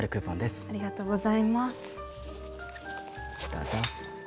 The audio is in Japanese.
どうぞ。